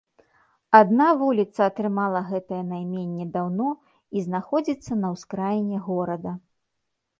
Адна вуліца атрымала гэтае найменне даўно і знаходзіцца на ўскраіне горада.